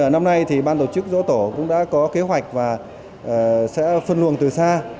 năm nay ban tổ chức dỗ tổ cũng đã có kế hoạch và sẽ phân luồng từ xa